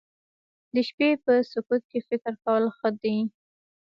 د شپې په سکوت کې فکر کول ښه دي